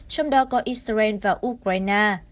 trong đó có israel và ukraine